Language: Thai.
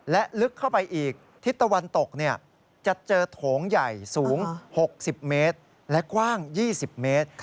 และลึกเข้าไปอีกทิศตะวันตกจะเจอโถงใหญ่สูง๖๐เมตรและกว้าง๒๐เมตร